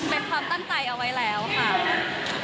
เป็นความตั้งใจเอาไว้แล้วค่ะ